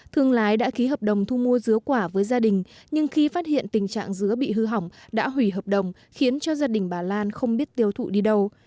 thương lái đã ký hợp đồng thu mua dứa quả với gia đình nhưng khi phát hiện tình trạng dứa bị hư hỏng đã hủy hợp đồng khiến cho gia đình bà lan không biết tiêu thụ đi đâu